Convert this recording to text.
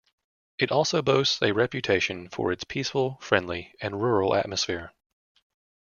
It also boasts a reputation for its peaceful, friendly, and rural atmosphere.